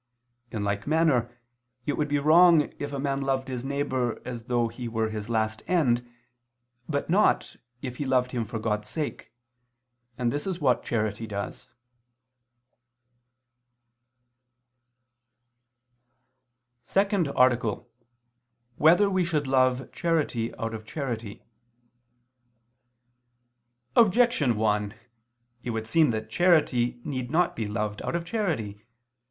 In like manner it would be wrong if a man loved his neighbor as though he were his last end, but not, if he loved him for God's sake; and this is what charity does. _______________________ SECOND ARTICLE [II II, Q. 25, Art. 2] Whether We Should Love Charity Out of Charity? Objection 1: It would seem that charity need not be loved out of charity.